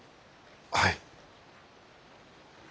はい。